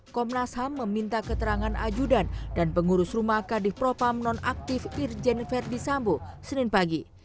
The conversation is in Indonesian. komnas ham meminta keterangan ajudan dan pengurus rumah kadif propam nonaktif irjen verdi sambo senin pagi